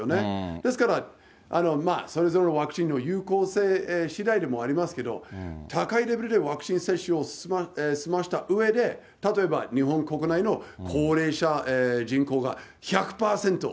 ですから、それぞれのワクチンの有効性しだいでもありますけど、高いレベルでワクチン接種を済ませたうえで、例えば日本国内の高齢者人口が１００％